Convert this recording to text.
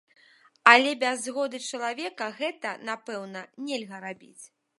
Але без згоды чалавека гэта, напэўна, нельга рабіць.